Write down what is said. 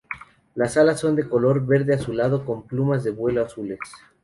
Las alas son de color verde azulado con plumas de vuelo azules.